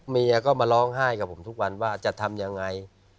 เมียก็มาร้องไห้กับผมทุกวันว่าจะทำยังไง